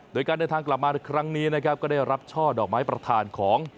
โดยการเดินทางกลับมาในครั้งนี้นะครับก็ได้รับช่อดอกไม้ประธานของ